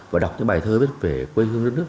và đọc những bài thơ biết về quê hương nước nước